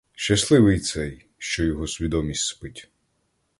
Щасливий цей, що його свідомість спить.